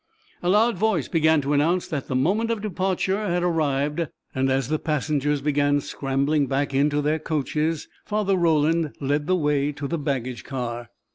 A loud voice began to announce that the moment of departure had arrived, and as the passengers began scrambling back into their coaches, Father Roland led the way to the baggage car.